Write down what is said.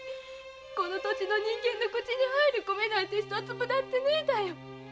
この土地の人間の口に入る米なんて一粒だってねぇだよ。